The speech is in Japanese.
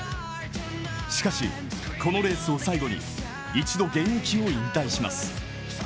しかし、このレースを最後に一度、現役を引退します。